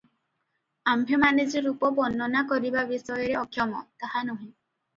ଆମ୍ଭେମାନେ ଯେ ରୂପ ବର୍ଣ୍ଣନା କରିବା ବିଷୟରେ ଅକ୍ଷମ, ତାହା ନୁହେଁ ।